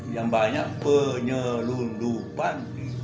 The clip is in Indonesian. yang banyak penyelundupan